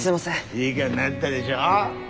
いい顔なったでしょう？